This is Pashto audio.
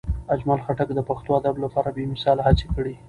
اجمل خټک د پښتو ادب لپاره بې مثاله هڅې کړي.